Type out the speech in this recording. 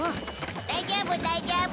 大丈夫大丈夫。